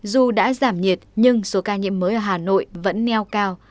dù đã giảm nhiệt nhưng số ca nhiễm mới ở hà nội vẫn neo cao